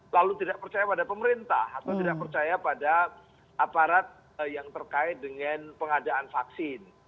lalu tidak percaya pada pemerintah atau tidak percaya pada aparat yang terkait dengan pengadaan vaksin